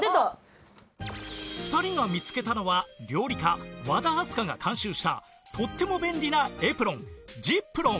２人が見つけたのは料理家和田明日香が監修したとっても便利なエプロン ｚｉｐｒｏｎ